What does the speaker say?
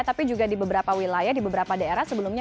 tapi juga di beberapa wilayah di beberapa daerah sebelumnya